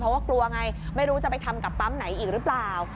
เพราะว่ากลัวไงไม่รู้จะไปทำกับปั๊มไหนอีกหรือเปล่า